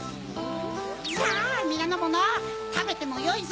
さぁみなのものたべてもよいぞ！